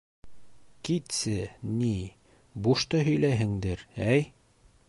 — Китсе, ни, бушты һөйләйһеңдер, әй!